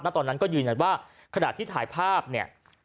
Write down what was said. ตอนนั้นก็ยืนยันว่าขณะที่ถ่ายภาพเนี่ย